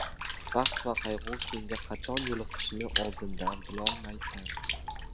• Baxt va qayg‘u senga qachon yo‘liqishini oldindan bilolmaysan.